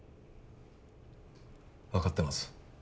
分かってます